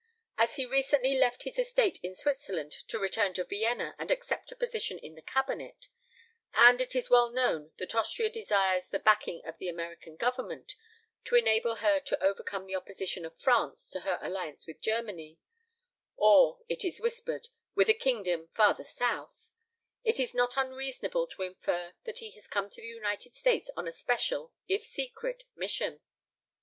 As he recently left his estate in Switzerland to return to Vienna and accept a position in the Cabinet, and as it is well known that Austria desires the backing of the American Government to enable her to overcome the opposition of France to her alliance with Germany, or, it is whispered, with a kingdom farther south, it is not unreasonable to infer that he has come to the United States on a special, if secret, mission.